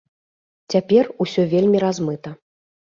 Цяпер усё вельмі размыта.